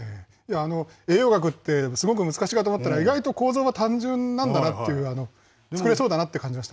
栄養学ってすごく難しいかと思ったら、意外と構造が単純なんだなっていう、作れそうだなって感じました